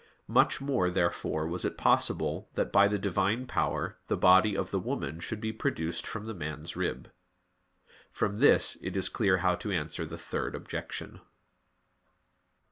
Much more, therefore, was it possible that by the Divine power the body of the woman should be produced from the man's rib. From this it is clear how to answer the third objection.